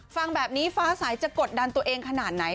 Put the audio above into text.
ฟังแบบนี้ฟ้าสายจะกดดันตัวเองขนาดไหน